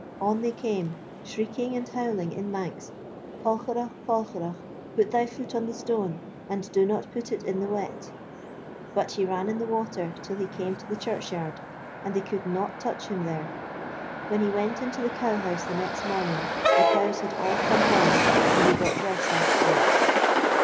On they came, shrieking and howling in Manx: Colcheragh, Colcheragh, Put thy foot on the stone, And do not put it in the wet! But he ran in the water till he came to the churchyard, and they could not touch him there. When he went into the cowhouse the next morning the cows had all come home and they got rest after that.